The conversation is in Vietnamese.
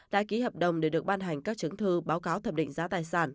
đã ký hợp đồng để được ban hành các chứng thư báo cáo thẩm định giá tài sản